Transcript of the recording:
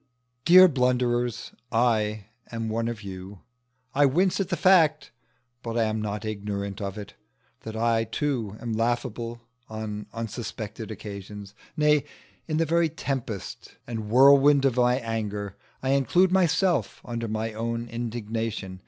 Dear blunderers, I am one of you. I wince at the fact, but I am not ignorant of it, that I too am laughable on unsuspected occasions; nay, in the very tempest and whirlwind of my anger, I include myself under my own indignation.